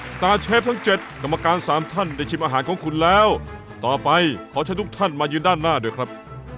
ตาร์เชฟทั้ง๗กรรมการสามท่านได้ชิมอาหารของคุณแล้วต่อไปขอเชิญทุกท่านมายืนด้านหน้าด้วยครับ